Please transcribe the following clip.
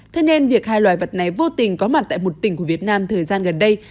thế nên việc hai loài vật này vô tình có mặt tại một tỉnh của việt nam thời gian gần đây